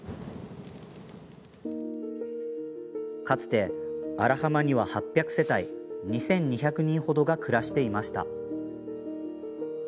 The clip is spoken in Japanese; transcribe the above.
かつて荒浜には８００世帯２２００人ほどが暮らしていました。